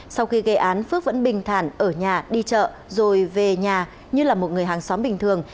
sau khi gây án phước vẫn bình thản ở nhà đi chợ rồi về nhà như là một người hàng xóm bình thường